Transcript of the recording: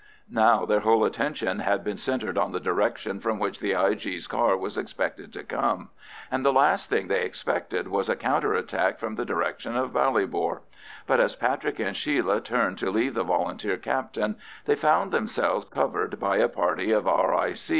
Now their whole attention had been centred on the direction from which the I.G.'s car was expected to come, and the last thing they expected was a counter attack from the direction of Ballybor; but as Patrick and Sheila turned to leave the Volunteer captain, they found themselves covered by a party of R.I.